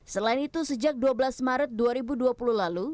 selain itu sejak dua belas maret dua ribu dua puluh lalu